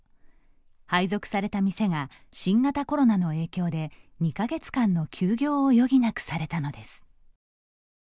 配属された店が新型コロナの影響で、２か月間の休業を余儀なくされたのです。